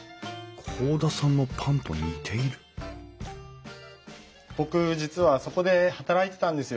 甲田さんのパンと似ている僕実はそこで働いてたんですよ。